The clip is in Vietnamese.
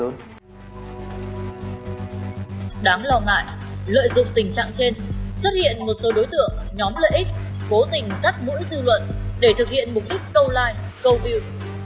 đáng lo ngại lợi dụng tình trạng trên xuất hiện một số đối tượng nhóm lợi ích cố tình dắt mũi dư luận để thực hiện mục đích câu like câu view